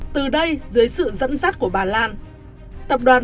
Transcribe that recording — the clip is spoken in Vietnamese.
từ đây dưới sự dẫn dắt của bà lan